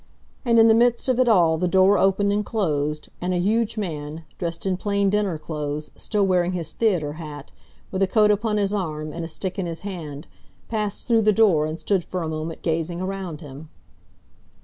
And in the midst of it all the door opened and closed, and a huge man, dressed in plain dinner clothes, still wearing his theatre hat, with a coat upon his arm and a stick in his hand, passed through the door and stood for a moment gazing around him.